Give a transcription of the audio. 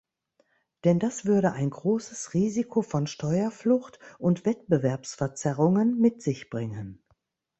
Denn das würde ein großes Risiko von Steuerflucht und Wettbewerbsverzerrungen mit sich bringen.